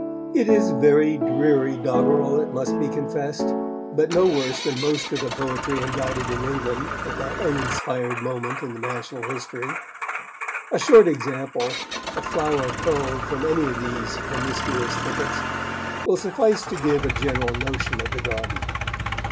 It is very dreary doggerel, it must be confessed, but no worse than most of the poetry indited in England at that uninspired moment in the national history. A short example a flower culled from any of these promiscuous thickets will suffice to give a general notion of the garden.